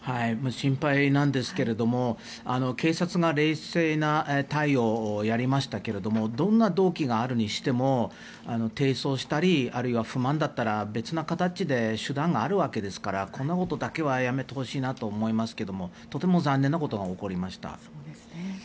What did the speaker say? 心配なんですけど警察が冷静な対応をやりましたけどどんな動機があるにしてもあるいは不満だったら別の形で手段があるわけですからこんなことはやめてほしいと思いますがとても残念なことが起こりました。